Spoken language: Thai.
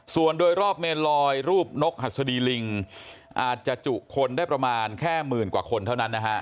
ส่วนโดยรอบเมนลอยรูปนกหัสดีลิงอาจจะจุคนได้ประมาณแค่หมื่นกว่าคนเท่านั้นนะฮะ